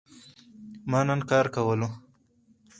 ما نن کار کولو